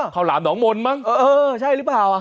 หลามหนองมนต์มั้งเออใช่หรือเปล่าอ่ะ